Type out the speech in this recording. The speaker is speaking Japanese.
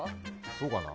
そうかな。